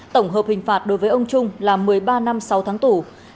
tổng hợp hình phạt đối với ông trung là một mươi ba năm sáu tháng tù